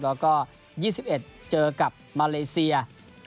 แล้วก็๒๑เจอกับมาเลเซีย